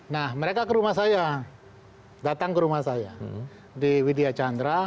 nah mereka ke rumah saya datang ke rumah saya di widya chandra